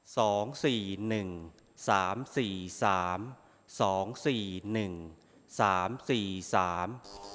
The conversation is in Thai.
สองสี่หนึ่งสามสี่สามสองสี่หนึ่งสามสี่สาม